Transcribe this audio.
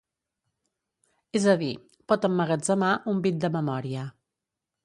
És a dir, pot emmagatzemar un bit de memòria.